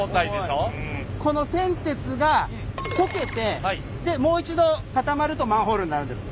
この銑鉄が溶けてもう一度固まるとマンホールになるんです。